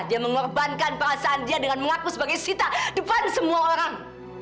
dia mengorbankan perasaan dia dengan mengaku sebagai sita depan semua orang